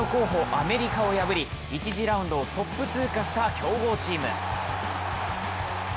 アメリカを破り１次ラウンドをトップ通過した強豪チーム。